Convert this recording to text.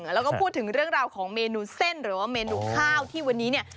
แล้วก็พูดถึงเรื่องราวของเมนูเส้นหรือว่าเมนูข้าวที่วันนี้เนี่ย